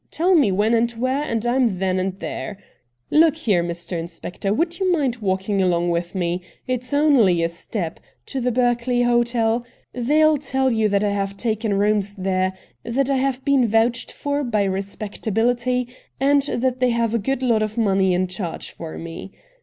Tell me when and where, and I'm then and there. Look here, Mr. Inspector, would you mind walking along with me — it's only a step — to the Berkeley Hotel .^ They'll tell you that I have taken rooms there, that I have been vouched for by respectability, and that they have a good lot of my money in charge for me.